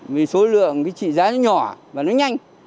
vì số lượng cái trị giá nó nhỏ và nó nhanh